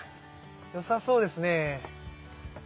良さそうですね。